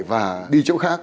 và đi chỗ khác